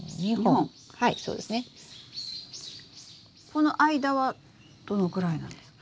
この間はどのぐらいなんですか？